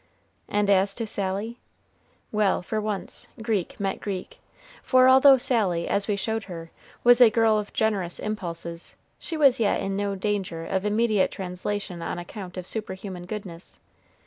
And as to Sally? Well, for once, Greek met Greek; for although Sally, as we showed her, was a girl of generous impulses, she was yet in no danger of immediate translation on account of superhuman goodness.